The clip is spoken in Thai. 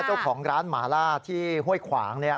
เจ้าของร้านหมาล่าที่ห้วยขวางเนี่ย